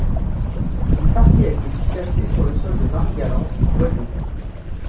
Une partie a été dispersée sur le sol de Marie-Galante, en Guadeloupe.